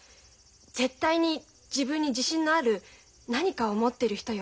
絶対に自分に自信のある何かを持ってる人よ。